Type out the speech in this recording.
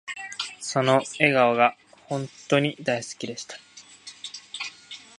その笑顔が本とに大好きでした